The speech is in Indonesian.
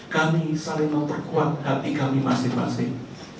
kami saling memperkuat hati kami masing masing